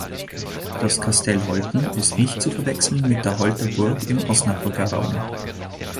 Das Kastell Holten ist nicht zu verwechseln mit der Holter Burg im Osnabrücker Raum.